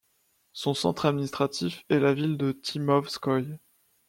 Son centre administratif est la ville de Tymovskoïe.